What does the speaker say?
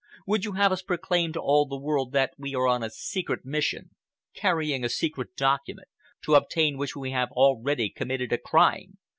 Would you have us proclaim to all the world that we are on a secret mission, carrying a secret document, to obtain which we have already committed a crime?